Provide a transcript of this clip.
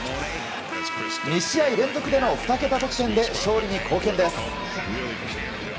２試合連続での２桁得点で勝利に貢献です。